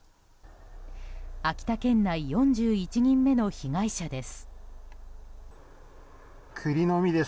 秋田県内、４１人目の被害者です。